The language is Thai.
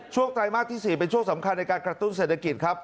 ไตรมาสที่๔เป็นช่วงสำคัญในการกระตุ้นเศรษฐกิจครับ